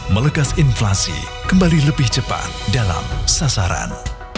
melegas inflasi kembali lebih cepat dalam sasaran